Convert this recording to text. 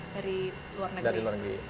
dari luar negeri